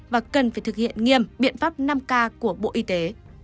và cần phải thực hiện nghiêm biện pháp năm k của bộ y tế